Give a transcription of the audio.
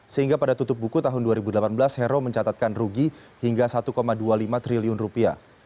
sehingga pada tutup buku tahun dua ribu delapan belas hero mencatatkan rugi hingga satu dua puluh lima triliun rupiah